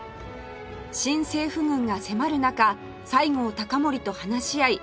新政府軍が迫る中西郷隆盛と話し合い